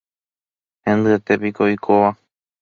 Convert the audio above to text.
Hendyetépiko oikóva.